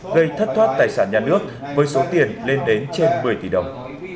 gây thất thoát tài sản nhà nước với số tiền lên đến trên một mươi tỷ đồng